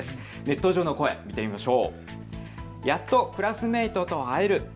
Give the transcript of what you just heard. ネット上での声、見てみましょう。